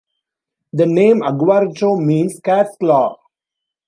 The name "Aguaruto" means cat's claw.